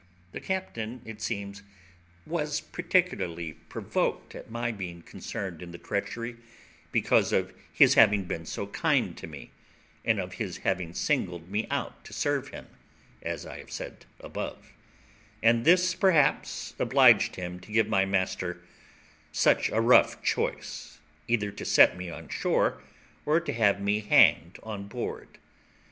The captain, it seems, was particularly provoked at my being concerned in the treachery, because of his having been so kind to me, and of his having singled me out to serve him, as I have said above; and this, perhaps, obliged him to give my master such a rough choice, either to set me on shore or to have me hanged on board.